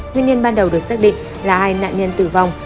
nguyên nhân ban đầu được xác định là hai nạn nhân tử vong